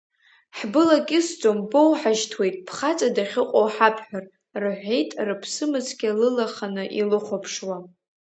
Ҳбылакьысӡом, боуҳашьҭуеит, бхаҵа дахьыҟоу ҳабҳәар, — рҳәеит рыԥсымыцқьа лылаханы илыхәаԥшуа.